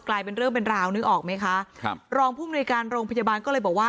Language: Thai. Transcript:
กลายเป็นเรื่องเป็นราวนึกออกไหมคะครับรองผู้มนุยการโรงพยาบาลก็เลยบอกว่า